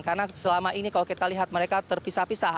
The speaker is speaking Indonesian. karena selama ini kalau kita lihat mereka terpisah pisah